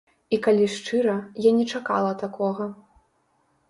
І калі шчыра, я не чакала такога.